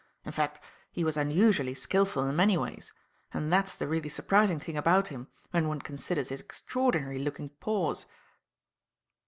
In fact, he was unusually skilful in many ways; and that's the really surprising thing about him, when one considers his extraordinary looking paws."